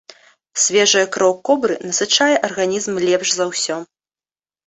Свежая кроў кобры насычае арганізм лепш за ўсё.